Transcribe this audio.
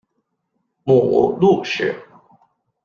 母陆氏。